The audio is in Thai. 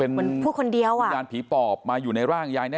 เหมือนพูดคนเดียวอ่ะยานผีปอบมาอยู่ในร่างยายแน